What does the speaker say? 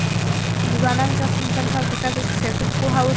د ځوانانو د شخصي پرمختګ لپاره پکار ده چې سیاست پوهه ورکړي.